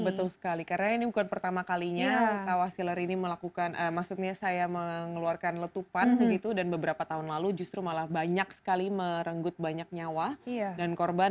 betul sekali karena ini bukan pertama kalinya kawah sileri ini melakukan maksudnya saya mengeluarkan letupan begitu dan beberapa tahun lalu justru malah banyak sekali merenggut banyak nyawa dan korban